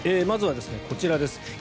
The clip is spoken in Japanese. まずはこちらです。